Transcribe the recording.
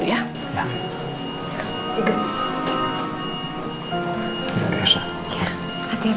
selamat siang elsa